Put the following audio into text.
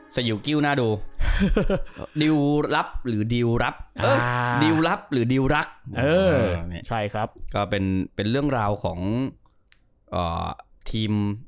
ยิวกิ้วน่าดูดิวรับหรือดิวรับดิวรับหรือดิวรักใช่ครับก็เป็นเรื่องราวของทีม